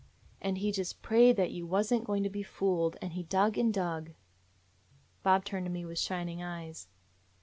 And he just prayed that you was n't going to be fooled, and he dug and dug —" Bob turned to me with shining eyes.